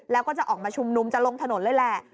แล้วก็จะออกมาชุมนุมจะลงถนนเลยแหละ